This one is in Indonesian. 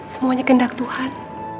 semuanya kendak tuhan